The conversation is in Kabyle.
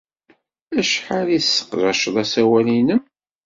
Acḥal n tesseqdaced asawal-nnem?